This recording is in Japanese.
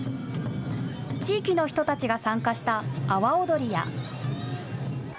地域の人たちが参加した阿波踊りや。